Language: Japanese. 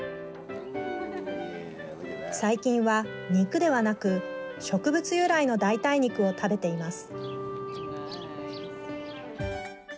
最近は肉ではなく植物由来の代替肉を食べています。